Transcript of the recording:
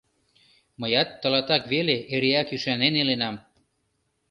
Мыят тылатак веле эреак ӱшанен иленам...